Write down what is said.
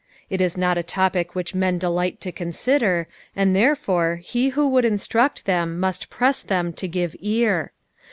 It is not a to|HC vhicb men delieht to connider, and therefore he who would instruct them must press them to give ear.